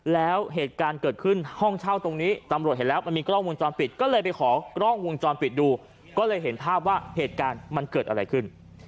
แล้วเหตุการณ์เกิดขึ้นห้องเช่าตรงนี้ตำรวจเห็นแล้วมันมีกล้องวงจรปิดก็เลยไปขอกล้องวงจรปิดดูก็เลยเห็นภาพว่าเหตุการณ์มันเกิดอะไรขึ้น